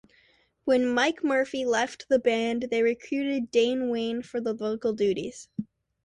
When Mike Murphy left the band, they recruited David Wayne for vocal duties.